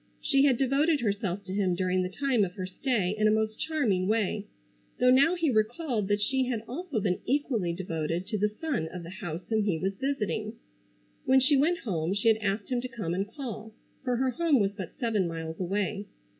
She had devoted herself to him during the time of her stay in a most charming way, though now he recalled that she had also been equally devoted to the son of the house whom he was visiting. When she went home she had asked him to come and call, for her home was but seven miles away.